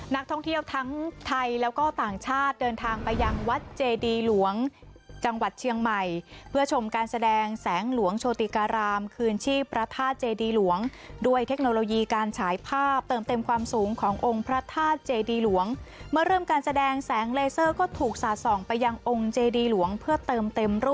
นักท่องเที่ยวทั้งไทยแล้วก็ต่างชาติเดินทางไปยังวัดเจดีหลวงจังหวัดเชียงใหม่เพื่อชมการแสดงแสงหลวงโชติการามคืนชีพพระธาตุเจดีหลวงด้วยเทคโนโลยีการฉายภาพเติมเต็มความสูงขององค์พระธาตุเจดีหลวงเมื่อเริ่มการแสดงแสงเลเซอร์ก็ถูกสะส่องไปยังองค์เจดีหลวงเพื่อเติมเต็มร่